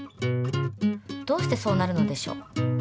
どうしてそうなるのでしょう？